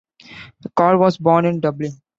Carr was born in Dublin.